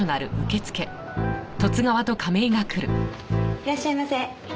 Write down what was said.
いらっしゃいませ。